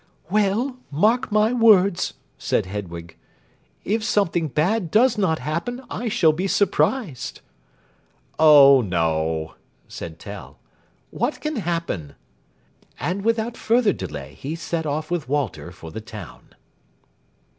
"Well, mark my words," said Hedwig, "if something bad does not happen I shall be surprised." "Oh no," said Tell. "What can happen?" And without further delay he set off with Walter for the town.